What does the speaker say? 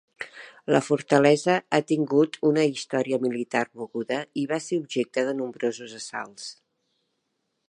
La fortalesa ha tingut una història militar moguda i va ser objecte de nombrosos assalts.